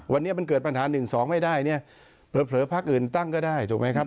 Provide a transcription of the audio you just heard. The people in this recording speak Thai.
วันนี้มันเกิดปัญหา๑๒ไม่ได้เนี่ยเผลอพักอื่นตั้งก็ได้ถูกไหมครับ